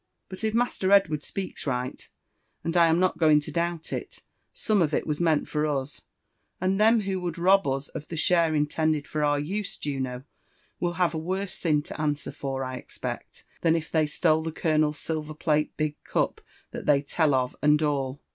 But if Master Edward apeaks right— ^ad I am not going to doubt it — some of it was meant for us ; and them who would rob us of the share intended for our use, Juno, will have a worse sin to answer for, I expect, than if they stole the oolooer« silver plate big cup that they tell of, and all.